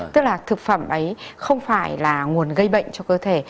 tức là thực phẩm ấy không phải là nguồn gây bệnh cho cơ thể